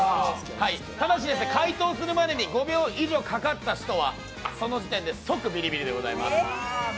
ただし回答するまでに５秒以上かかった人はその時点で即ビリビリでございます。